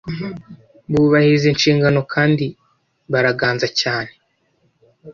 bubahiriza inshingano kandi baraganza cyane